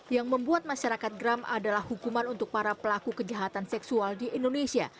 yang membuat masyarakat geram adalah hukuman untuk para pelaku kejahatan seksual di indonesia